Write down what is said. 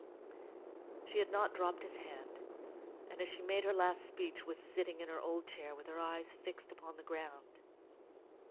She had not dropped his hand, and as she made her last speech was sitting in her old chair with her eyes fixed upon the ground.